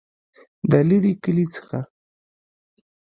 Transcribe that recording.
دلیري کلي څخه